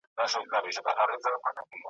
زه د هغه ښار لیدلو ته یم تږی ,